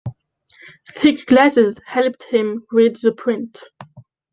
Thick glasses helped him read the print.